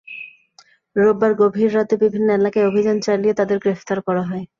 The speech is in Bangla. রোববার গভীর রাতে বিভিন্ন এলাকায় অভিযান চালিয়ে তাঁদের গ্রেপ্তার করা হয়।